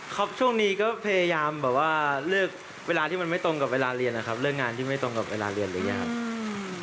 ช่วงนี้ก็พยายามแบบว่าเลือกเวลาที่มันไม่ตรงกับเวลาเรียนนะครับเลิกงานที่ไม่ตรงกับเวลาเรียนอะไรอย่างนี้ครับ